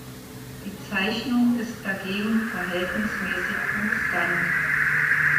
Die Zeichnung ist dagegen verhältnismäßig konstant.